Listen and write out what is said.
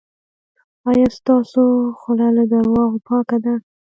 ایا ستاسو خوله له درواغو پاکه ده؟